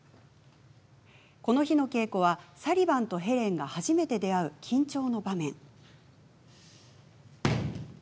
この日の稽古はサリヴァンとヘレンが初めて出会う緊張の場面です。